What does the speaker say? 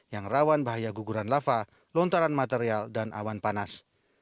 yang rawan bahaya guguran lava lontaran material dan awan panas